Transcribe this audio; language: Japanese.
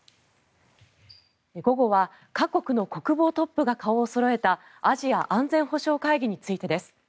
午後は各国の国防トップが顔をそろえたアジア安全保障会議についてです。